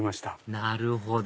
なるほど！